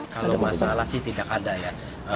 kalau masalah sih tidak ada ya